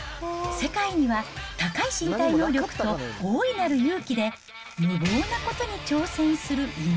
世界には、高い身体能力と大いなる勇気で無謀なことに挑戦する命